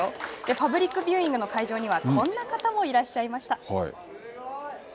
パブリックビューイングの会場にはこんな方もいらっしゃいました。